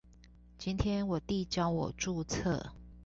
今天我弟教我註冊